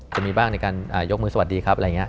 จะมีบ้างในการยกมือสวัสดีครับอะไรอย่างนี้